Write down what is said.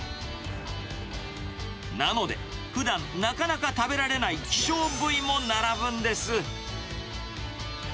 なので、ふだん、なかなか食べられない希少部位も並ぶんです。